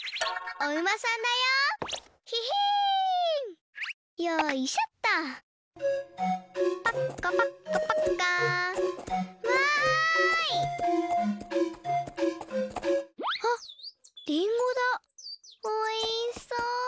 おいしそう！